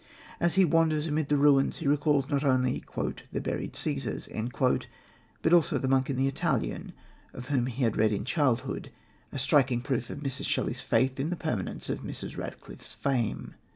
As he wanders amid the ruins he recalls not only "the buried Cæsars," but also the monk in The Italian, of whom he had read in childhood a striking proof of Mrs. Shelley's faith in the permanence of Mrs. Radcliffe's fame.